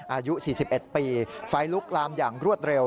อายุ๔๑ปีไฟลุกลามอย่างรวดเร็ว